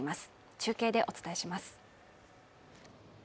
中継でお伝えします。